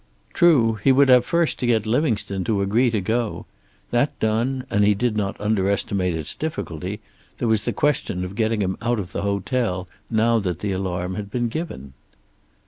True, he would have first to get Livingstone to agree to go. That done, and he did not underestimate its difficulty, there was the question of getting him out of the hotel, now that the alarm had been given.